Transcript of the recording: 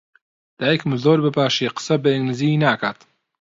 دایکم زۆر بەباشی قسە بە ئینگلیزی ناکات.